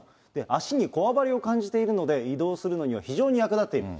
足のこわばりを感じているので、移動するのには非常に役立っている。